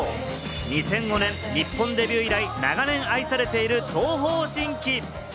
２００５年、日本デビュー以来、長年愛されている東方神起。